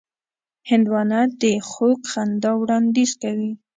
هندوانه د خوږ خندا وړاندیز کوي.